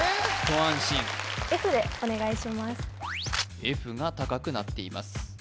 一安心Ｆが高くなっています